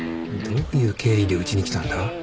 どういう経緯でうちに来たんだ？